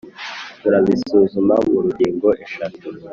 turabisuzuma mu ngingo eshatu: